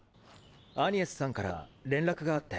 アニエスさんから連絡があって。